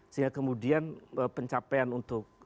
sehingga kemudian pencapaian untuk